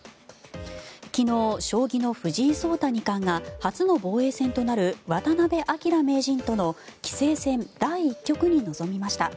昨日、将棋の藤井聡太二冠が初の防衛戦となる渡辺明名人との棋聖戦第１局に臨みました。